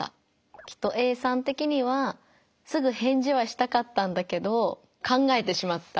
きっとＡさん的にはすぐ返事はしたかったんだけど